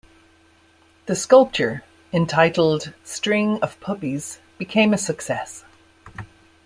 The sculpture, entitled, "String of Puppies", became a success.